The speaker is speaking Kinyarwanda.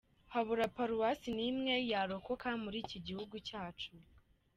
Habure Paruwasi n’imwe yarokoka muri iki gihugu cyacu ?